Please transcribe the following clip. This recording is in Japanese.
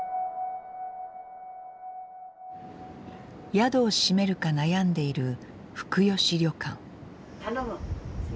宿を閉めるか悩んでいる頼む。